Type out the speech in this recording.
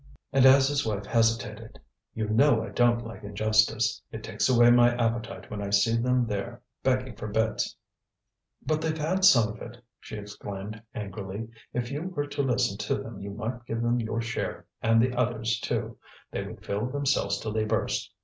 And as his wife hesitated: "You know I don't like injustice. It takes away my appetite when I see them there, begging for bits." "But they've had some of it," she exclaimed, angrily. "If you were to listen to them you might give them your share and the others', too; they would fill themselves till they burst.